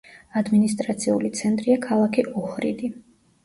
ადმინისტრაციული ცენტრია ქალაქი ოჰრიდი.